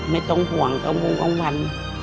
ไม่ต้องห่วงก็มุ่งกลางวัน